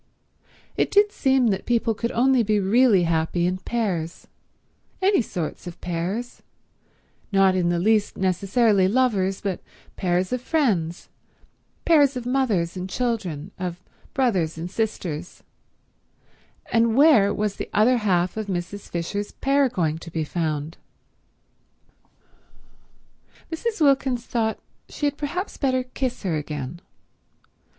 It did seem that people could only be really happy in pairs—any sorts of pairs, not in the least necessarily lovers, but pairs of friends, pairs of mothers and children, of brothers and sisters—and where was the other half of Mrs. Fisher's pair going to be found? Mrs. Wilkins thought she had perhaps better kiss her again.